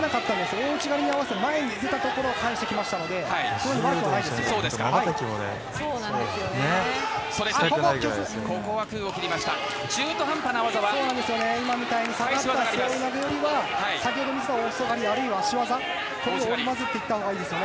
大内刈りに合わせて前に出たところを返してきたので悪くないですよ。